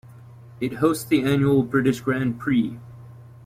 It hosts the annual British Grand Prix.